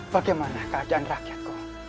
bagaimana keadaan rakyat kong